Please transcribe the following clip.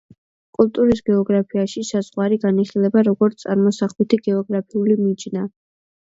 კულტურის გეოგრაფიაში საზღვარი განიხილება როგორც წარმოსახვითი გეოგრაფიული მიჯნა.